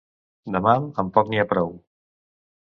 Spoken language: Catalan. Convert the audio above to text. De mal, amb poc n'hi ha prou.